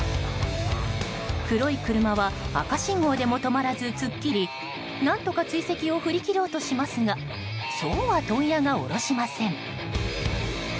黒い車は赤信号でも止まらず突っ切り何とか追跡を振り切ろうとしますがそうは問屋が卸しません。